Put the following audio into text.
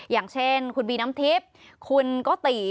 อย่างเช่นคุณบีน้ำทิพย์คุณโกติ